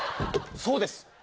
そうです。